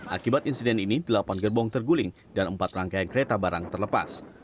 akibat insiden ini delapan gerbong terguling dan empat rangkaian kereta barang terlepas